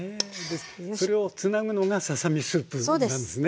それをつなぐのがささ身スープなんですね。